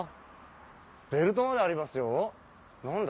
ベルトまでありますよ何だ？